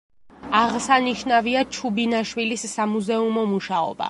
აღსანიშნავია ჩუბინაშვილის სამუზეუმო მუშაობა.